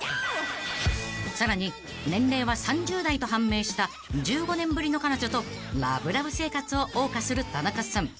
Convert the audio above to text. ［さらに年齢は３０代と判明した１５年ぶりの彼女とラブラブ生活を謳歌する田中さん］